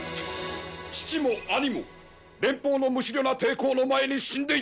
父も兄も連邦の無思慮な抵抗の前に死んでいったのだ！